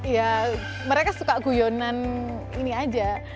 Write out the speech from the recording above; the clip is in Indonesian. ya mereka suka guyonan ini aja